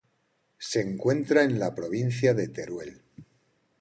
Se encuentra en la provincia de Teruel.